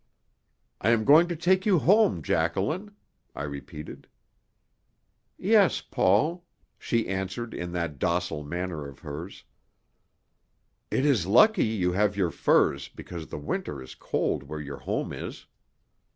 "I am going to take you home, Jacqueline," I repeated. "Yes, Paul," she answered in that docile manner of hers. "It is lucky you have your furs, because the winter is cold where your home is."